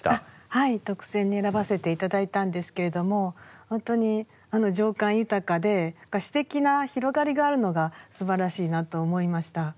はい特選に選ばせて頂いたんですけれども本当に情感豊かで詩的な広がりがあるのがすばらしいなと思いました。